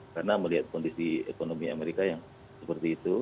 karena melihat kondisi ekonomi amerika yang seperti itu